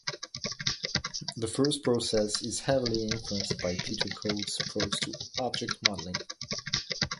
The first process is heavily influenced by Peter Coad's approach to object modeling.